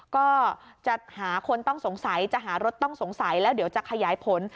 ก็จะหาคนต้องสงสัยจะหารถต้องสงสัยแล้วเดี๋ยวจะขยายผล